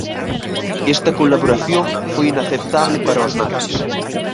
Esta colaboración foi inaceptable para os nazis.